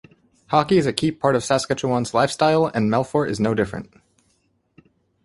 Hockey is a key part of Saskatchewan's lifestyle and Melfort is no different.